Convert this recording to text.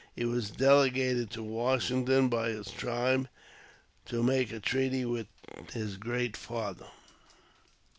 He was delegated to Washington by his tribe to make a treaty with his Great Father.